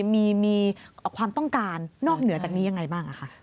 มีความต้องการนอกเหนือจากนี้ยังไงบ้าง